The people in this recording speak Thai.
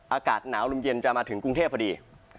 อากาศหนาวลมเย็นจะมาถึงกรุงเทพพอดี